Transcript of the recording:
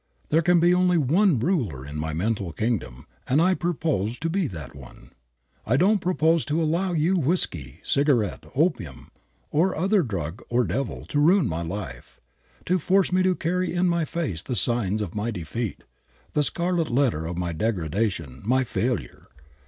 There can be only one ruler in my mental kingdom and I propose to be that one. I don't propose to allow you Whiskey, Cigarette, Opium, or other Drug or Devil, to ruin my life, to force me to carry in my face the signs of my defeat, the scarlet letter of my degradation, my failure.